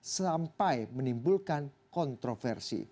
sampai menimbulkan kontroversi